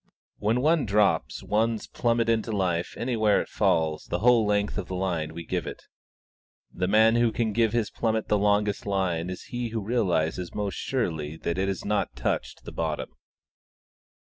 When one drops one's plummet into life anywhere it falls the whole length of the line we give it. The man who can give his plummet the longest line is he who realises most surely that it has not touched the bottom.